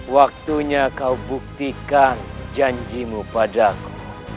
waktunya kau buktikan janjimu padaku